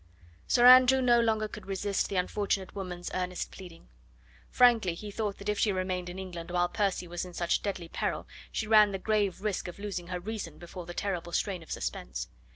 Sir Andrew no longer could resist the unfortunate woman's earnest pleading. Frankly, he thought that if she remained in England while Percy was in such deadly peril she ran the grave risk of losing her reason before the terrible strain of suspense.